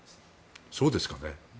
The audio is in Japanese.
そうですかね？